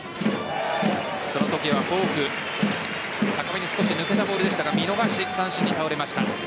そのときはフォーク高めに少し抜けたボールでしたが見逃し三振に倒れました。